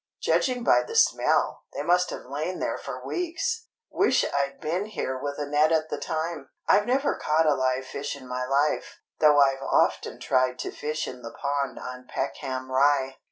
Judging by the smell, they must have lain there for weeks. Wish I'd been here with a net at the time. I've never caught a live fish in my life, though I've often tried to fish in the pond on Peckham Rye."